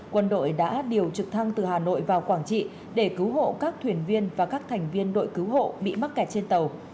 quân đội đã điều trực thăng từ hà nội vào quảng trị để cứu hộ các thuyền viên và các thành viên đội cứu hộ bị mắc kẹt trên tàu